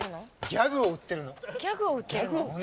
ギャグを売ってるの！